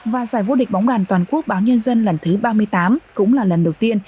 và giải vô địch bóng bàn toàn quốc báo nhân dân lần thứ ba mươi tám cũng là lần đầu tiên